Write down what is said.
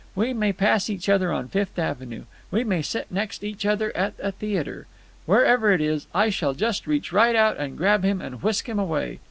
We may pass each other on Fifth Avenue. We may sit next each other at a theatre. Wherever it is, I shall just reach right out and grab him and whisk him away.